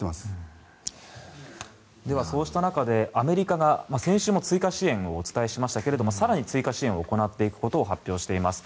ではそうした中でアメリカが先週も追加支援を伝えましたけどお伝えしましたが更に追加支援を行っていくことを発表しています。